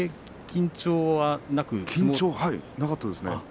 緊張はなかったですね。